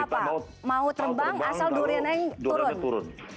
kita mau terbang asal duriannya turun